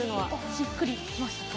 しっくりきましたか？